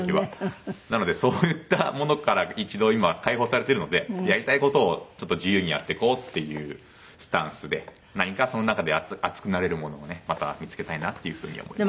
なのでそういったものから一度今は解放されてるのでやりたい事をちょっと自由にやっていこうっていうスタンスで何かその中で熱くなれるものをねまた見付けたいなっていう風に思います。